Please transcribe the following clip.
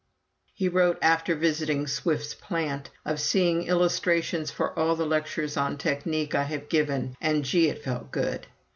He wrote, after visiting Swift's plant, of "seeing illustrations for all the lectures on technique I have given, and Gee! it felt good.